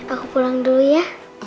aku pulang dulu ya